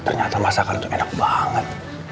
ternyata masakan itu enak banget